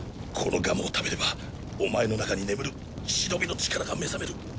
このガムを食べればお前の中に眠るシノビの力が目覚める。